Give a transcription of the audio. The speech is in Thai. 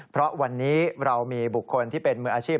เพราะวันนี้เรามีบุคคลที่เป็นมืออาชีพ